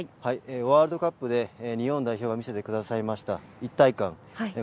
ワールドカップで日本代表が見せてくださった一体感